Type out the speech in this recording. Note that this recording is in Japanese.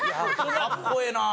かっこええなあ。